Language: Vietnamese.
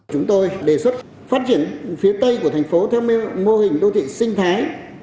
chúng tôi đề xuất phát triển phía tây của thành phố theo mô hình đô thị sinh thái